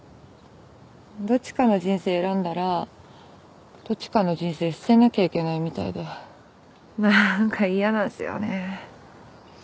どっちかの人生選んだらどっちかの人生捨てなきゃいけないみたいでなんか嫌なんですよね。